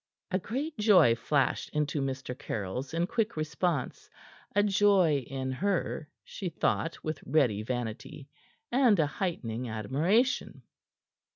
A great joy flashed into Mr. Caryll's in quick response; a joy in her she thought with ready vanity and a heightening admiration.